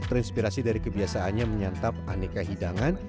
terinspirasi dari kebiasaannya menyantap aneka hidangan